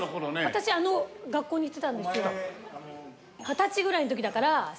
私あの学校に行ってたんですけど。